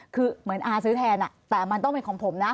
คือเหมือนอาซื้อแทนแต่มันต้องเป็นของผมนะ